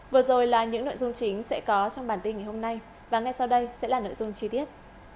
vừa rồi là những nội dung chính sẽ có trong bản tin ngày hôm nay và ngay sau đây sẽ là nội dung chi tiết